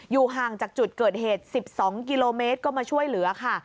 ห่างจากจุดเกิดเหตุ๑๒กิโลเมตรก็มาช่วยเหลือค่ะ